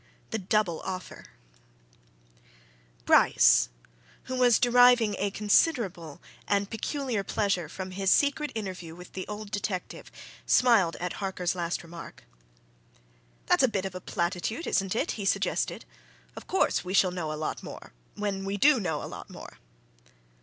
THE DOUBLE OFFER Bryce, who was deriving a considerable and peculiar pleasure from his secret interview with the old detective, smiled at Harker's last remark. "That's a bit of a platitude, isn't it?" he suggested. "Of course we shall know a lot more when we do know a lot more!"